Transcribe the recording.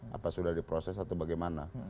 apa sudah diproses atau bagaimana